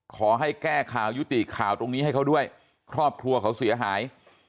ขอให้แก้ข่าวยุติข่าวตรงนี้ให้เขาด้วยครอบครัวเขาเสียหาย